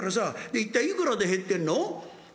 で一体いくらで入ってんの？」。